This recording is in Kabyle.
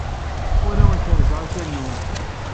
Ur awen-kerrzeɣ akal-nwen.